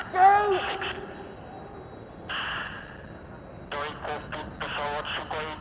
kami menerbang tentara nasional indonesia